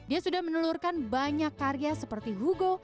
dia sudah menelurkan banyak karya seperti hugo